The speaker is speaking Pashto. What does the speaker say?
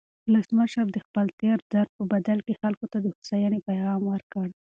ولسمشر د خپل تېر درد په بدل کې خلکو ته د هوساینې پیغام ورکړ.